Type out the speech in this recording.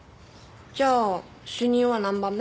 じゃあ主任は何番目？